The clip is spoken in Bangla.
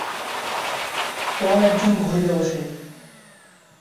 টম একজন ঘড়ি ব্যবসায়ী।